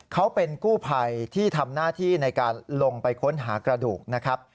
เขาเป็นกู้ภัยที่ทำหน้าที่ในการลงไปค้นหากระดูกนะครับ